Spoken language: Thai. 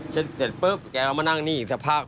เสร็จปุ๊บแกก็มานั่งนี่อีกสภาพ